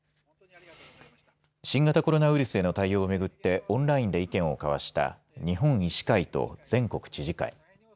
新型コロナウイルスへの対応をめぐってオンラインで意見を交わした日本医師会と全国知事会。